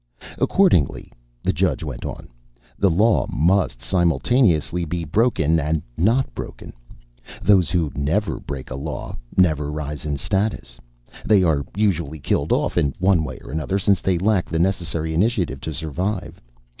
"Accordingly," the judge went on, "the law must simultaneously be broken and not broken. Those who never break a law never rise in status. They are usually killed off in one way or another, since they lack the necessary initiative to survive.